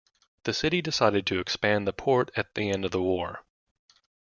The City decided to expand the port at the end of the war.